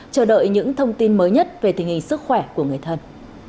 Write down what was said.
chờ đợi những thông tin mới nhất về tình hình sức khỏe của người thân